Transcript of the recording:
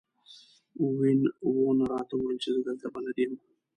وین وون راته وویل چې زه دلته بلد یم.